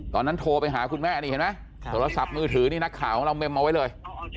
ตอนนั้นโทรไปหาคุณแม่นี่เห็นไหมโทรศัพท์มือถือนี่นักข่าวของเราเม็มเอาไว้เลย